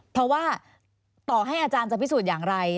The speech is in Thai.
เพราะว่าต่อให้อาจารย์จะพิสูจน์อย่างไร